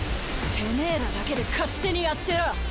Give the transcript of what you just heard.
てめぇらだけで勝手にやってろ。